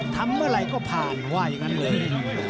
ทำอะไรก็ผ่านว่าอย่างนั้นเลย